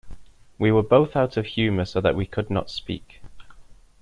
We were both out of humour so that we could not speak.